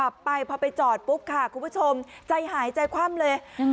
ไปพอไปจอดปุ๊บค่ะคุณผู้ชมใจหายใจคว่ำเลยอืม